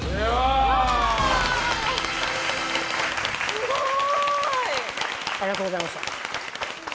すごい！ありがとうございました。